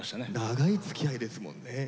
長いつきあいですもんね。